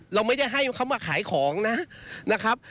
เราไม่ได้ให้เขามาขายของนะครับ